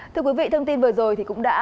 thưa quý vị thông tin vừa rồi thì cũng đã